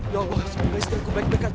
ya allah semoga istriku baik baik aja